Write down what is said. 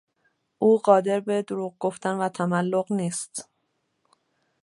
او قادر به دروغ گفتن و تملق نیست.